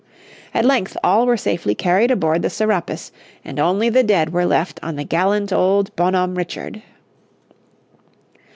At length all were safely carried aboard the Serapis, and only the dead were left on the gallant old Bonhomme Richard.